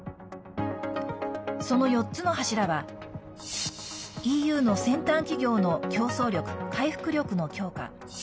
その４つの柱はＥＵの先端企業の競争力・回復力の強化。